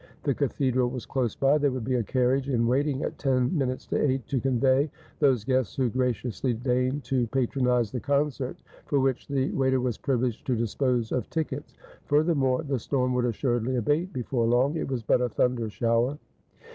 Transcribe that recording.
The cathedral was close by ; there would be a carriage in waiting at ten minutes to eight to convey those guests who graciously deigned to patronise the concert, for which the waiter was privileged to dispose of tickets. Furthermore, the storm would assuredly abate before long. It was but a thunder shower.